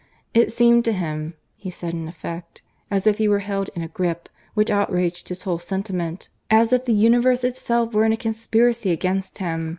It seemed to him, he said in effect, as if he were held in a grip which outraged his whole sentiment; as if the universe itself were in a conspiracy against him.